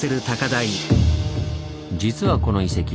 実はこの遺跡